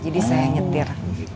jadi saya nyetir